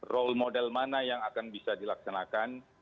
role model mana yang akan bisa dilaksanakan